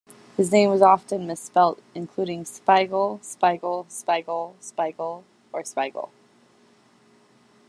His name was often misspelt, including "Spiegel", "Spiegle", "Speigl", "Speigel" or "Speigle".